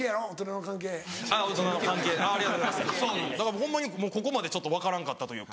ホンマにここまでちょっと分からんかったというか。